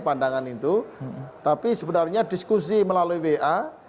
pandangan itu tapi sebenarnya diskusi melalui wa